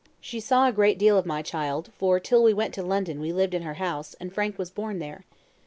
She saw a great deal of my child, for, till we went to London, we lived in her house, and Frank was born there.